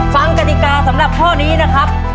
กติกาสำหรับข้อนี้นะครับ